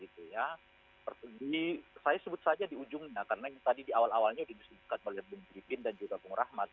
saya sebut saja di ujungnya karena yang tadi di awal awalnya didiskusikan oleh bung tripin dan juga bung rahmat